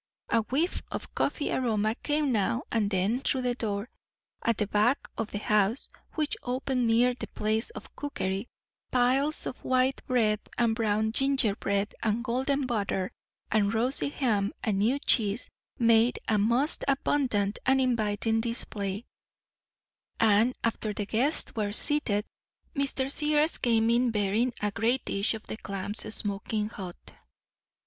A whiff of coffee aroma came now and then through the door at the back of the house, which opened near the place of cookery; piles of white bread and brown gingerbread, and golden butter and rosy ham and new cheese, made a most abundant and inviting display; and, after the guests were seated, Mr. Sears came in bearing a great dish of the clams, smoking hot.